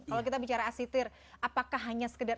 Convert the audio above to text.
kalau kita bicara as sitir apakah hanya sekedar